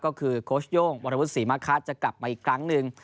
ก็คือโค้ชโย่งวรวุฒิศรีมะคะจะกลับมาอีกครั้งหนึ่ง